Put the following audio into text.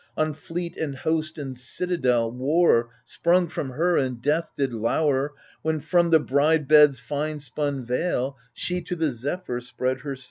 On fleet, and host, and citadel, War, sprung from her, and death did lour, When from the bride bed's fine spun veil She to the Zephyr spread her sail.